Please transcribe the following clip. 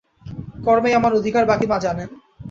কর্মেই আমার অধিকার, বাকী মা জানেন।